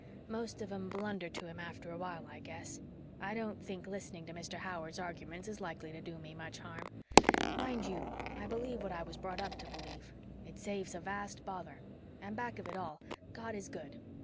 Most of 'em blunder to Him after awhile, I guess. I don't think listening to Mr. Howard's arguments is likely to do me much harm. Mind you, I believe what I was brought up to believe. It saves a vast of bother and back of it all, God is good.